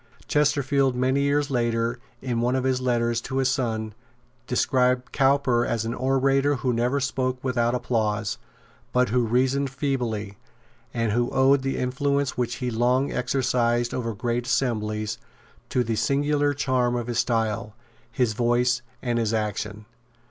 Chesterfield many years later, in one of his letters to his son, described Cowper as an orator who never spoke without applause, but who reasoned feebly, and who owed the influence which he long exercised over great assemblies to the singular charm of his style, his voice and his action.